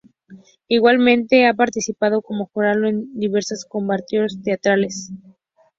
Igualmente ha participado como jurado en diversas convocatorias teatrales.